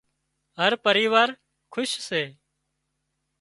هر پريوار کُش سي